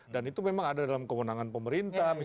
itu memang ada dalam kewenangan pemerintah